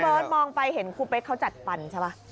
ที่เบิร์ทมองไปเห็นครูเพคเค้าจัดฟันใช่ปะ